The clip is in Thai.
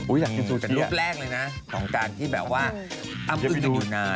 อุ้ยอยากกินซูชิแหละเป็นรูปแรกเลยนะที่แบบว่าพบกันยังอยู่นาน